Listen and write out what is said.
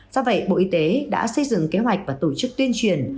do vậy bộ y tế đã xây dựng kế hoạch và tổ chức tuyên truyền